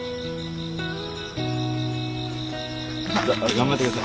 頑張ってください。